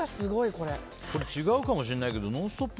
違うかもしれないけど「ノンストップ！」